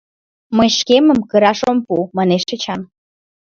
«Мый шкемым кыраш ом пу», — манеш Эчан.